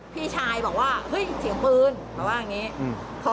พี่ชายบอกว่าเฮ้ยเสียงปืนเขาว่าอย่างนี้